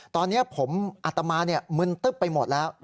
ตอนนี้ผมอัตมามึนตึ๊บไปหมดแล้ว